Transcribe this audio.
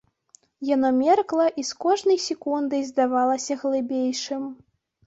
Яно меркла і з кожнай секундай здавалася глыбейшым.